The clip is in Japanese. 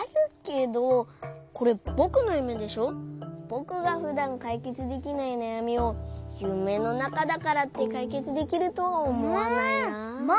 ぼくがふだんかいけつできないなやみをゆめのなかだからってかいけつできるとはおもわないな。